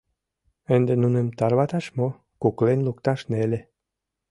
Ынде нуным тарваташ мо — куклен лукташ неле.